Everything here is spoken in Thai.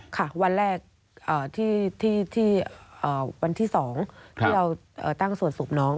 ค่ะวันแรกวันที่สองที่เราตั้งส่วนสูบน้อง